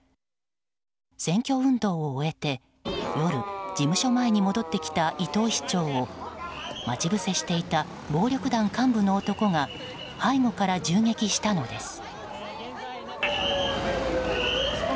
選挙運動を終えて夜、事務所前に戻ってきた伊藤市長を待ち伏せしていた暴力団幹部の男が背後から銃撃したのです。